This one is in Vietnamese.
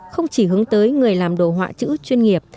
không chỉ hướng tới người làm đồ họa chữ chuyên nghiệp